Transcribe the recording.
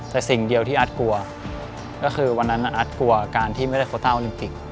แต่สิ่งเดียวที่อาร์ตกลัวก็คือวันนั้นอาร์ตกลัวการที่ไม่ได้โคต้าโอลิมปิก